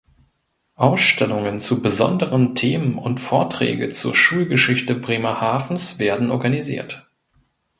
Ausstellungen zu besonderen Themen und Vorträge zur Schulgeschichte Bremerhavens werden organisiert.